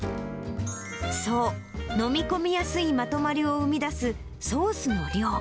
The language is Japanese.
そう、飲み込みやすいまとまりを生み出すソースの量。